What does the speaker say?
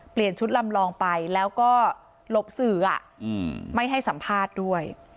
เปลี่ยนชุดลำลองไปแล้วก็หลบสื่อไม่ให้สัมภาษณ์ด้วย